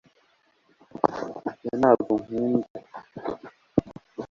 ibyo ntabwo nkunda